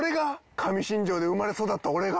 上新庄で生まれ育った俺が？